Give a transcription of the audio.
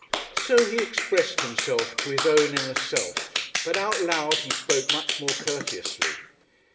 So he expressed himself to his own inner self; but out loud he spoke much more courteously.